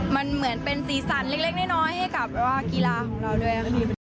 มันเหมือนเซียนเล็กให้กับว่าว่ากีฬาของเราด้วย